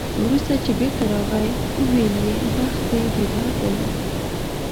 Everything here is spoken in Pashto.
وروسته چې بېرته راغی، ویل یې بخت دې بیدار دی.